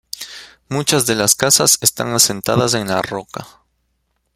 Muchas de las casas están asentadas en la roca.